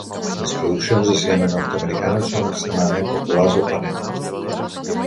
Les produccions de cinema nord-americanes són extremadament populars al planeta.